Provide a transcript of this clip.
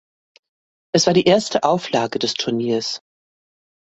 Es war die erste Auflage des Turniers.